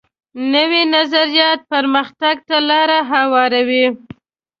نوی نظریات پرمختګ ته لار هواروي